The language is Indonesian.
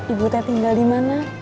ibu tinggal dimana